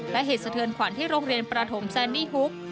และเหตุสะเทือนขวัญที่โรงเรียนประถมแซนนี่ฮุก